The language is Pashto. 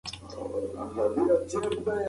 دا سپارښتنې عملي کېدای شي.